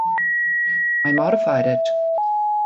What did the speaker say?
I modified it